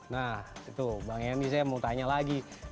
nah itu bang yanni saya mau tanya lagi